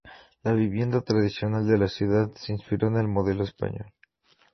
La vivienda tradicional de la ciudad se inspiró en el modelo español.